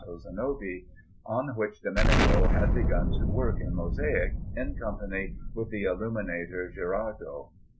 Zanobi, on which Domenico had begun to work in mosaic in company with the illuminator Gherardo.